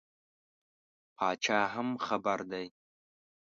پاچا هم خبر دی.